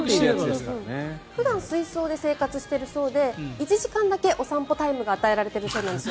普段、水槽で生活しているそうで１時間だけお散歩タイムが与えられているそうなんです。